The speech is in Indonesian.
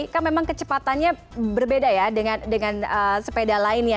kan memang kecepatannya berbeda ya dengan sepeda lainnya